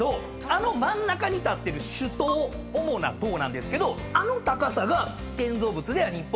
あの真ん中に立ってる主塔主な塔なんですけどあの高さが建造物では日本で４番目。